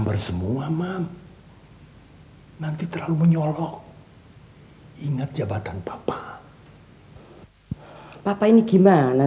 den yanti bangun